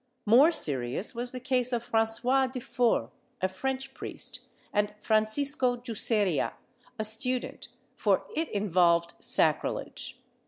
More serious was the case of Francois Difor, a French priest, and Francisco Juseria, a student, for it involved sacrilege.